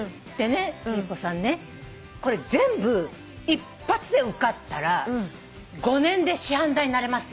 「貴理子さんねこれ全部一発で受かったら５年で師範代になれますよ」